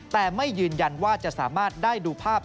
แต่ไม่ยืนยันว่าจะสามารถได้ดูภาพ